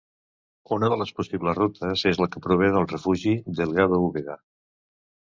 Una de les possibles rutes és la que prové del refugi Delgado Úbeda.